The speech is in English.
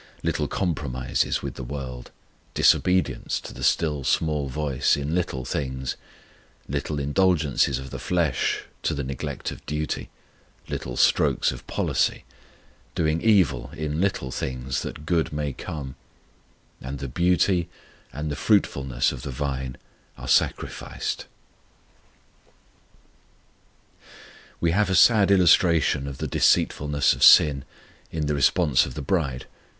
Little compromises with the world; disobedience to the still small voice in little things; little indulgences of the flesh to the neglect of duty; little strokes of policy; doing evil in little things that good may come; and the beauty and the fruitfulness of the vine are sacrificed! We have a sad illustration of the deceitfulness of sin in the response of the bride.